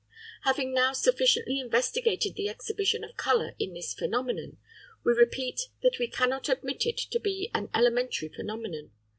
Having now sufficiently investigated the exhibition of colour in this phenomenon, we repeat that we cannot admit it to be an elementary phenomenon.